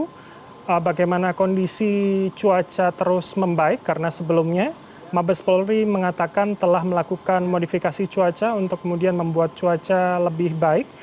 hingga saat ini proses evakuasi masih menunggu bagaimana kondisi cuaca terus membaik karena sebelumnya mabes polri mengatakan telah melakukan modifikasi cuaca untuk kemudian membuat cuaca lebih baik